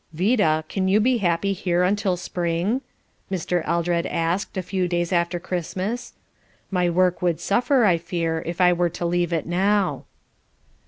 "Vida, can you be happy here until spring?" Mr. Eldred asked, a few days after Christmas. "My work would suffer, I fear, were I to leave it now."